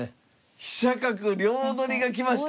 飛車角両取りが来ました。